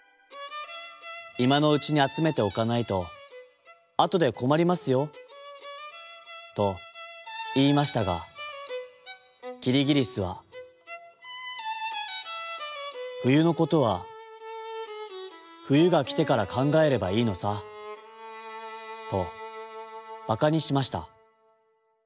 いまのうちにあつめておかないとあとでこまりますよ」といいましたがキリギリスは「ふゆのことはふゆがきてからかんがえればいいのさ」とばかにしました。